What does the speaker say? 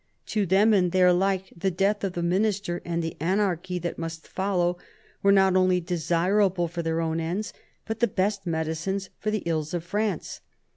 To them and their like the death of the Minister and the anarchy that must follow were not only desirable for their own ends, but the best medicines for the ills of France.